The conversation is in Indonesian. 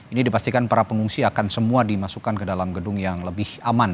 ini dipastikan para pengungsi akan semua dimasukkan ke dalam gedung yang lebih aman